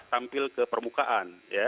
tampil ke permukaan